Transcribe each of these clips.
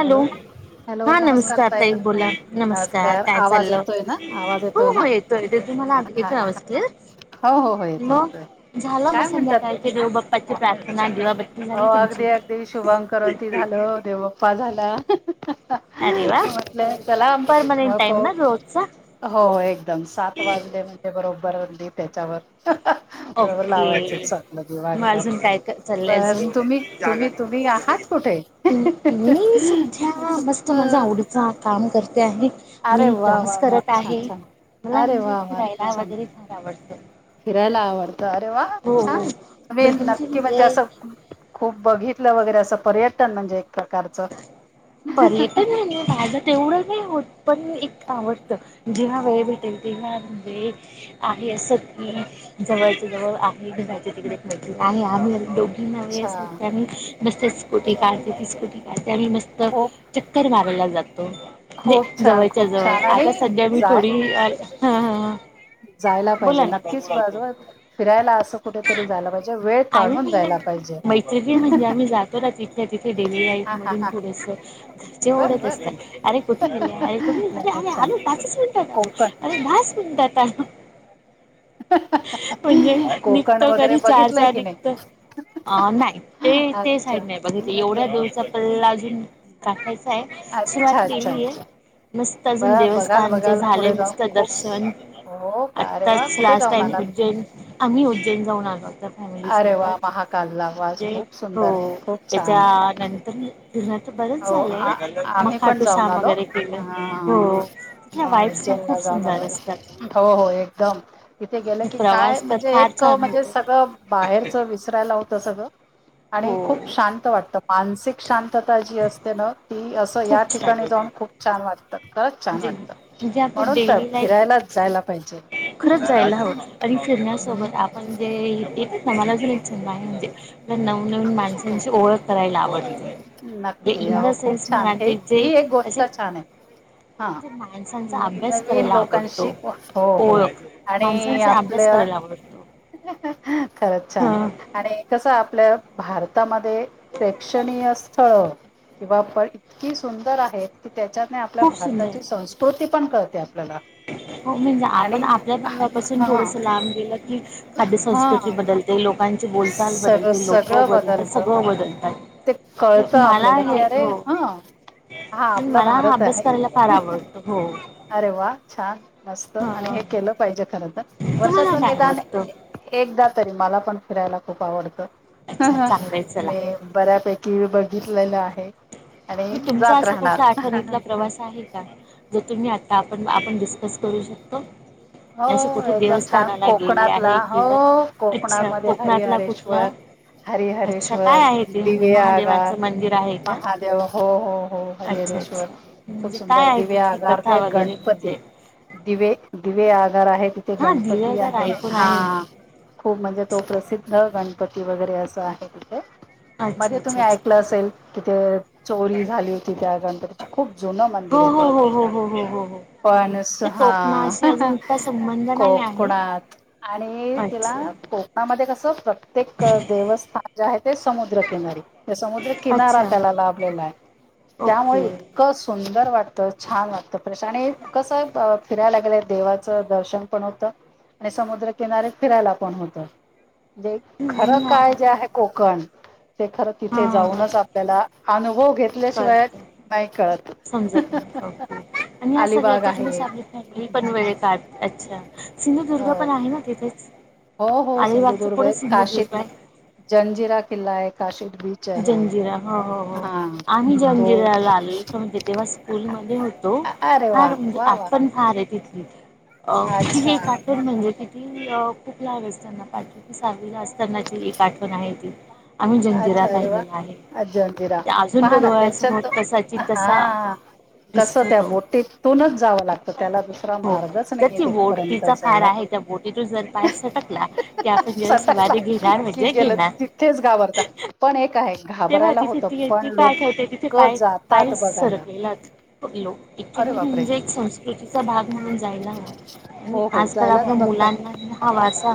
ह. Hello! Hello! नमस्कार ताई, नमस्कार, आवाज येतोयं ना - आवाज येतोयं ना. थे तुम्हाला आता किती आवाज क्लिअर हो हो हो येतोय म येतोय. झालं मग काय म्हणतात? संध्याकाळी [inaudible] ते बाप्पाची प्रार्थना किंवा दिवाबत्ती हो झाली तुमची अगदी- अगदी शुभंकरोती झालं देवबाप्पा झाला. अरे वा म्हटलं चला पर्मनंट, मग टाईम ना रोजचा. हो एकदम सात वाजले म्हणजे बरोबर ली त्याच्यावर. बरोबर ओके, लावायचंच आपलं दिवा मग घरात अजून काय कर काय चाललायं बस अजून तुम्ही तुम्ही तुम्ही आहात कुठे? मी सध्या मस्त माझं आवडत चा काम करते आहे. अरे मी वा डान्स, वा वा करत छान आहे. छान मला अरे म्हणजे, वा वा फिरायला छान वगैरे, फार आवडतं. फिरायला आवडतं अरे वा हो हो छान मेन नक्की म्हणजे, असं. खूप बघितलं वगैरे, असं पर्यटन म्हणजे, एक प्रकार. पर्यटन ना बाज तेवढं नाही होतं पण एक आवडतं जेव्हा वेळ भेटेल तेव्हा म्हणजे आहे असं की जवळच्या जवळ आहे तिकडे एकमेकांना आहे आम्ही दोघी नवे छान असते मस्त स्कूटी काढते ती स्कूटी काढते आम्ही मस्त. खूप चक्कर मारायला जातो. खूप छान जवळच्या खूप जवळ छान आता आणि सध्या मी जाय थोडी ह. जायला पाहिजे नक्कीच बाजवतं फिरायला असं कुठेतरी जायला पाहिजे वेळ काढून आम्ही जायला म्हणजे पाहिजे. मैत्रिणी म्हणजे आम्ही जातो ना तिथल्या तिथे देवी आई हा हा मधून हा थोडसं. ते बर ओरडतं बर असतात अरे कुठे गेले- अरे कुठे नाही गेले नाही अरे छान आलो पाच मिनिटातं. कोकण अरे मा सुतात [inaudible] ह. म्हणजे निघतो कधी चार चा बघितलंय की आधी नाही निघतो. अ - नाही ते - ते अच्छा साईड नाही बघित अच्छा एवढ्या दूरचा पल्ला अजून टाकायचा आहे सुरुवात अच्छा अच्छा अच्छा केलीय. मस्त अजून बघा बघाल देवस्थानचे बघाल झाले पुढे जाऊन मस्त खूप दर्शन. हो का अरे वा आताच कुठे लास्ट जाऊन टाईम आलात? उज्जैन आम्ही उज्जैन जाऊन आलो तर फॅमिली, अरे सोबत वा महाकालला वास म्हणजे खूप हो सुंदर खूप त्याच्या छान नंतर तुझं तर, बरंच हो आ- झालंय मग आम्ही पण खाटू जाऊन शाम आलो वगैरे केलं हा म- हो. तिथल्या वाईट्स उज्जैनला खूप जाऊन आलो सुंदर असतात. हो - हो एकदम इथे गेलं की काय प्रवास तर म्हणजे फार एक छान म्हणजे होतो सगळं बाहेरच विस करायला लावता सगळं आणि हो खूप शांत वाटतं मानसिक शांतता जी अस असते ना ती असं या खूप छान ठिकाणी जाऊन खूप म्हणजे छान वाटतं. खरंच छान वाटतं म्हणजे आपलं म्हणून तर डेली लाईफ फिरायलाच जायला पाहिजे. खरंच जायला हवं आणि हम्म फिरण्यासोबत आप म्हणजे ना सणालाच आहे म. नवीन माणसांची ओळख करायला हो आवडत. नक्की हो खूप छान हे जे ही एक गोष्ट असे छान आहे. हा म्हणजे माणसांचा न अभ्यास नवीन करायला लोकांशी आवडतो. हो हो ओळख आणि माणसांचा अभ्यास आपल्या करायला आवडतो. खरंच छान आणि कसं आपल भारत भारतामध्ये प्रेक्षणीय स्थळ किंवा पण इतकी सुंदर आहेत की त्याच्याने आपल्या खूप सुंदर भारताची आहे. संस्कृती पण कळते आपल्याला. हो म्हणजे आणि आपण आपल्या बंगल्यापासून हा थोडस लांब गेलं की खाद्य संंस्कृती हा बदलते लोकांची बोलचाल सगळं बदलते लोक सगळं बदलतात बदलत सगळं बदलतात. ते म्हणजे कळतं मला आपल्याला की हे अरे हो हा हा आपला मला हा भारत अभ्यास आहे. करायला फार आवडतो हो. अरे वा छान मस्त आणि हा हे केलं पाहिजे खर तर तुम्हाला वर्षातून काय निदान आवडतं? एकदा तरी मला पण फिरायला खूप आवडत अच्छा चांगलंय चला. मे बऱ्यापैकी बघितलेलं आहे. आणि मग तुमचा जात असा कुठला राहणार आठवणीतला प्रवास आहे जो तुम्ही आता आपण आपण डिस्कस करू शकतो? हो असे कुठे एकदम छान देवस्थानाला गेले कोकणातला आहे हो किंवा अच्छा कोकणामध्ये कोकणातला कुठला हरिहरेश्वर अच्छा काय हरीहरेश्वर, आहे ते म्हणजे दिवेआगर, महादेवांचं मंदिर आहे का महादेव हो हो हो अच्छा हरिहरेश्वर अच्छा खूप म्हणजे काय सुंदर आहे दिवे तिथली आगार कथा ते वगैरे गणपती म्हणजे दिवे दिवेआगार आहे. ते हा गणपती दिवेगार आहे ऐकून हा मी खूप म्हणजे तो अच्छा प्रसिद्ध त गणपती वगैरे असं आहे तिथे अच्छा मध्ये अच्छा तुम्ही ऐकलं अच्छा असेल तिथे चोरी झाली होती त्या गणपतीची खूप जुन हो मंदिर आहे ते हो हो हो हो हो हो हो पण ते हा कोकणाशी अजून इतका संबंध नाही आहे कोकणात आणि तिला अच्छा को कोकणामध्ये कस प्रत्येक देवस्थान जे आहे ते समुद्रकिनारी हे समुद्र किनारा अच्छा त्याला लाभलेला आहे त्यामुळे ओके इतक सुंदर वाटतं छान वाटतं फ्रेश आणि कसं फिरायला गेलं देवाचं दर्शन पण होतं आणि समुद्रकिनारी फिरायला पण होतं. जे हां खरं काय जे आहे कोकण ते खरं तिथे हां हां जाऊनच आप आपल्याला अनुभव घेतल्याशिवाय नाही कळत. समजल ओके आणि या अलिबाग सगळ्याच्या आहे तुमीसाठी ली पण वेळेत अच्छा अ सिंधुदुर्ग पण आहे ना तिथेच हो हो अलिबागच्या सिंधुदुर्ग पुढे आहे काशिद, सिंधुदुर्ग आहे जंजिरा किल्ला आहे, काशिद बीच आहे जंजिरा हो हो हो हा आम्ही तो जंगिराला आले म्हणजे तेव्हा स्कूलमध्ये होतो. अरे वा फार म्हणजे वा वा आठवण फार आहे तिथली अ तिली अच्छा एक आठण म्हणजे तिथ ती खूप लहान असताना पाचवी सहावीला असतानाची एक आठवण आहे ती आम्ही अच्छा जंजिरात अरे वा! आजी अंजिरा अजून पहा तो ना डोळ्यासमोर त्याच्यात तसाची तसा हां. कसं दिसतो त्या तो बोटीतूनच जावं लागतं त्याला दुसरा मार्गच नाहीये तिथपर्यंत फार जायला. आहे त्या बोटी तून जर पाय सटकला कि आपण जल सटकला समाधी घेणार की म्हणजे गेलं घेणार. तिथेच घाबरता पण एक आहे तेव्हा घाबरायला तिथे होतं ती पण ती का ठेवते तिथे लोक पाय पाय जातात बघायला. सरकलेला लोक क्च्युली अरे बापरे! म्हणजे एक संस्कृतीचा भाग म्हणून जायला हव‌. अणि हो हो आजकाल जायलाच आपल्या बघतात मुलांना हा वारसा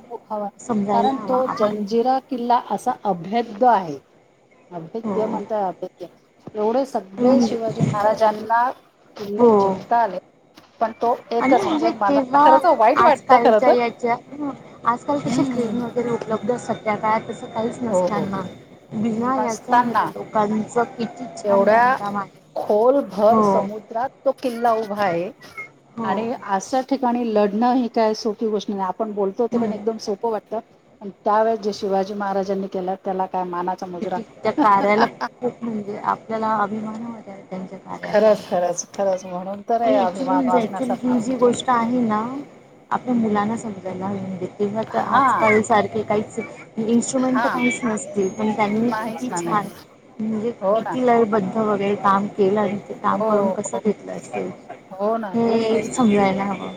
[unintelligible] हवा समजायला कारण तो हवा आपण जंजिरा किल्ला असा अभेद्य आहे. हो अभेद्य म्हणता अभेद्य एवढं सगळे म्हणजे शिवाजी महाराजांना किल्ले हो जिंकता आले. पण तो आणि एकच म्हणजे, मला तेव्हा खरच वाईट वाटतं खर आजकालच्या तर. याच्या आजकाल कशी फ्रेम हम्म वगैरे उपलब्ध सध्या काळात काहीच हो हो नसताना हो. भीमा याच नसताना लोकांच किती छान एवढ्या बांधकाम आहे. खोलभर हो समुद्रात तो किल्ला उभा आहे, हो आणि अशा ठिकाणी लढणं, ही काय सोपी गोष्ट नाय. आपण बोलतो ते हम्म पण एकदम सोपं वाटतं. पण त्यावेेळेस जे शिवाजी महाराजांनी केलं त्याला काय माना चा मुजरा. किती त्या कार्याला खूप म्हणजे,, आपल्याला अभिमान वाट त्यांच्या कार्याचा आणि खरंच त्यांचा. खरंच खरंच म्हणून तर आहे आणि अभिमान ऑक्चुली [unintelligible] वाचण्यासारखं. ही जी गोष्ट आहे ना. आपल्या हम्म हम्म मुलांना स [unintelligible] [unintelligible] हा आजकाल सारखे काहीच इंस्ट्रुमेंट हा काहीच नसतील. पण त्यांनी नाहीच किती ना नाही छान म्हणजे, हो ना. किती लयबद्ध वगैरे काम केलय, ते काम हो करून कस हो. घेतलं असेल हो ना हे तेच ना. समजायला हवं.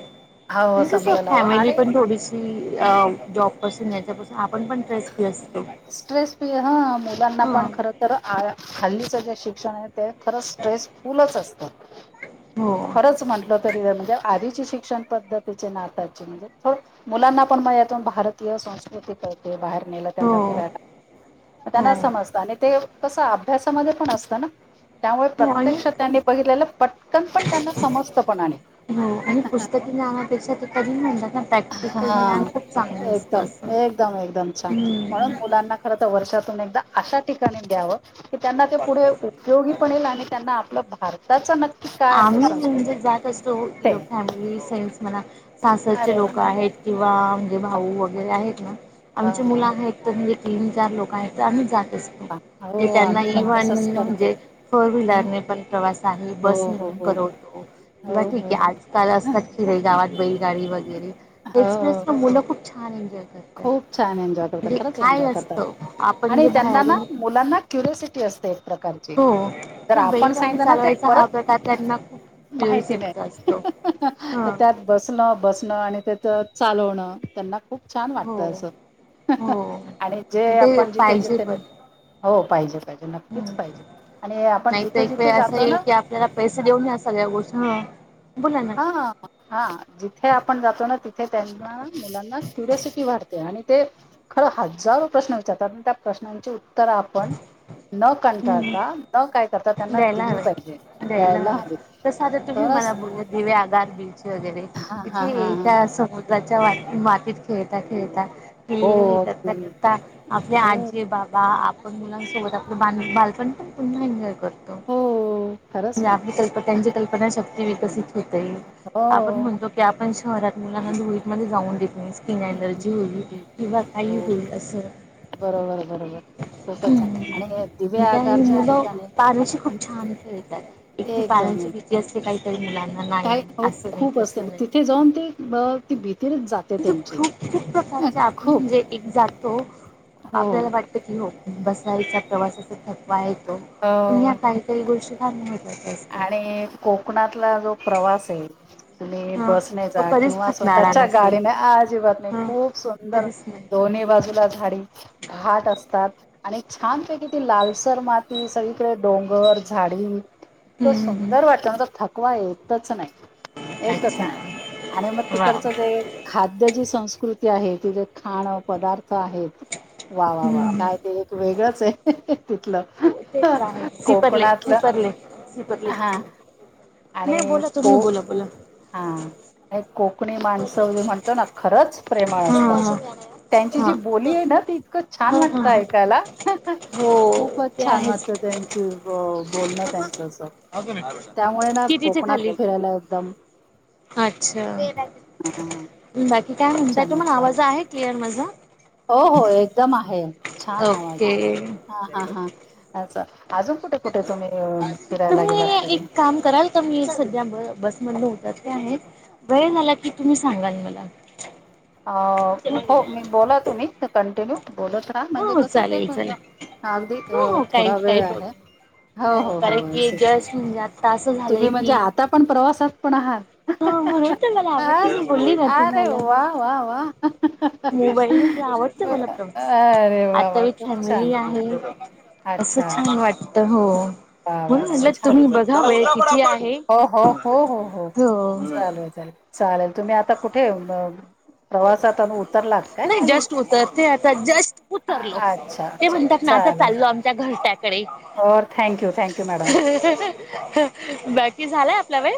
हो अन कसय समजायला हवं फॅमिली आणि पण थोडीच की अ जॉब पासून याच्यापासून आपण पण ट्रेस् फ्री असतो. स्ट्रेस फी ह मुलांना हां पण खर तर हल्लीचं जे शिक्षण हाय, ते खरच स्ट्रेसफुलच असत, हो खरच म्हण [unintelligible] तरी म्हणजे आधीची शिक्षण पद्धतीचे नाताची म्हजे खूप मुलांना पण मग यातून भारतीय संस्कृती कळे. बाहेर नेलं हो त्यांना फिरायला, त्यांना हो समजत आणि ते तसं अभ्यासामध्ये पण असतं ना. त्यामुळे हो आणि प्रत्यक्ष त्यांनी बघितलेलं, पटकन पण त्यांना समजत पण अणि. हो आणि [inaudible] हा खूप चांगलं असतं एकदम, असं. एकदम- एकदम छान. म्हणून हम्म मुलांना खरं तर वर्षातून एकदा, अशा ठिकाणी द्यावं. की त्यांना ते पुढ उपयोगी पण इल आणि त्यांना आपलं भारताच नक्की का आमी म्हणजे जात असतो, [unintelligible] [unintelligible] म्हणा सासरचे अरे वाह! लोक आहेत, किंवा म्हणजे भाऊ वगैरे आहेत ना. आमचे वाह! वाह! मुलं आहेत, तर म्हणजे तीन चार लोक आहेत तर आम्ही जात. [unintelligible] [inaudible] हो, त्यांना आम्ही पण इवन तसंच करतो. म्हणजे फोर हं. विलर पण प्रवास आहे. हो, बस हो हो. हो. हो, म ठीक हो. आहे आजकाल असतात खिर गावात बैलगाडी वगैरे, एक्सप्रेस हो. पण मुलं खूप छान एन्जॉय करतात. खूप छान एन्जॉय करतात. म्हणजे खरंच काय एन्जॉय करतात, असतं आपण आणि जे त्यांना ना बाहेरून मुलांना क्युरसिटी असते एक प्रकारची हो तर हे आपण बैलगाडी सांगितलं ना ते चालवायचा हा परत प्रकार त्यांना खूप माहिती नाही. प्युरसिट असतो तर ह. त्यात बसणं- बसणं आणि तेथं चालवणं त्यांना खूप छान वाटत हो असं हो आणि जे ते आपण जिथे पाहिजे जिथे पण नेत हो पाहिजे, पाहिजे नक्कीच हम्म. पाहिजे, आणि आपण जिथे जिथे जातो ना? त्याला पैसे देऊन या सगळ्या गोष्ट ह बोला ना? हा, हा जिथे आपण जातो ना तिथे त्यांन ना मुलांना क्युरोसिटी वाढते आणि ते खरं हजारो प्रश्न विचारतात, म त्या प्रश्नांची उत्तर आपण न हम्म. कंटाळता, न काय करता त्यांना द्यायला दिली पाहिजे द्यायला हवेत. त आता, तुम्हीच मला बोललेत दिवेआगार बिच वगैरे हा हा हा इथे त्या समोर च्या मातीत खेळता खेळता, हे हो हे करता अगदी करता. आपले हो आजी, बाबा आप मुलांसोबत आपण बाल बालपण पुन्हा एन्जॉय करतो, हो खरंच म्हणजे ना आपली संस त्यांची कल्पना शक्ती विकसित होते, हो आपण म्हणतो की की आपण शहरात मुलांना धुळीतमध्ये जाऊन देत नाही तिन एनर्जी होईल किंवा काही हो होईल असं बरोबर आहे बरोबर. खूपच छान, आणि हे त्या दिवेआगारच्या मुलं ठिकाणी पाण्याशी खूप एकदम. ती असली काही तरी मुलांना नाही काय अहो असं नाही खूप असते, म तसं नाही. तिथे जाऊन ते अ ती भीती रच जाते. तिथं त्यांची खूप खूप प्रकारचे आप खूप म्हणजे एक जातो हो आपल्याला वाट बसायचा, प्रवासाचा थकवा आहे तो, पण ह्या हो पाटकर काही काही गोष्टी [unintelligible] आणि कोकणातला जो प्रवास आहे तुम्ही हा बसने तो जा कधीच किंवा थकणारा स्वतःच्या नसेल. गाडीने, अजिबात नाही हा खूप सुंदर कधीच नाही दोन्ही बाजूला झाडी घाट असतात. आणि छानपैकी ती लालसर माती, सगळीकडे डोंगर झाडी इतक, हम्म सुंदर हम्म वातावरण थकवा येतच नाही. येतच नाही अच्छा आणि मग वा तिकडचं जे खाद्य जी संस्कृती आहे तिथे खाणं, पदार्थ आहेत वा वा वा! हम्म. काय. ते एक वेगळच आहे तिथलं सिपरले कोकणातलं सिपरले सिपरले हा नाही आणि बोला तुम्ही खूप बोला बोला. हा एक कोकणी माणसं म्हणतो ना खरंच प्रेमळ हा असतात, हा त्यांची हा जी बोली आहे ना ती इतकं छान हा हा वाटतं हा ऐकायला. हा हो खूपच ते छान वाटतं आहेच त्यांची बोलणं त्यांचच. त्यामुळे ना कितीच्या कोकणात खाली फिरायला एकदम अच्छा! बाकी काय म्हणताय, छान तुम्हाला वाटतं. आवाज आहे क्लिअर माझा? हो हो, एकदम आहे छान आवाज ओके आहे. हा हा हा, असं अजून कुठे कुठे तुम्ही फिरायला तुम्ही गेलात तरी? एक काम कराल का? मी सध्या ब बसमधन उतरते आहे, वेळ झाला की तुम्ही सांगाल मला. अ हो मी बोला तुम्ही कंटिन्यू बोलत का, हो म्हणजे हो तस ते चालेल पण चालेल अगदी हो हो काही थोडा वेळ काही आहे. प्रॉब्लेम हो नाही हो हो कारण अस, की जस्ट म्हणजे आता असं झालंय तुम्ही की म्हणजे आता पण प्रवासात पण आहात. हा म्हणून तर मला आवडते मी अरे, बोलली ना अरे तुम्हाला वा वा वा! मोबाईल पेक्षा आवडते मला प्रवास अरे वा आता वा विथ खूप फॅमिली छान आहे असं अच्छा छान वाटत हो. वा वा म्हणून वा म्हणलं छान तुम्ही छान बघा वेळ किती आहे?, हो हो हो हो. चालेल चालेल चालेल तुम्ही आता कुठे येऊन अ नाही जस्ट उतरते आता, जस्ट उतरलो. अच्छा ते अच्छा म्हणतात ना आता चालेल चाललो आमच्या घरट्याकडे. और थँक्यू थँक्यू मॅडम ह बाकी झालाय आपला वेळ